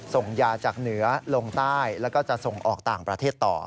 ส่งยาจากเหนือลงใต้แล้วก็จะส่งออกต่างประเทศต่อ